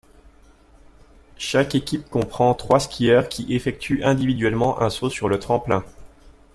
Chaque équipe comprend trois skieurs qui effectuent individuellement un saut sur le tremplin.